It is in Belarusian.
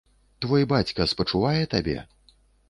Твой бацька спачувае табе?